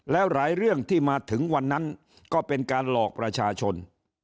แล้วหลายเรื่องที่มาถึงวันนั้นก็เป็นการหลอกประชาชน